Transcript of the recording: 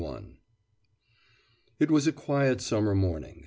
I IT was a quiet summer morning.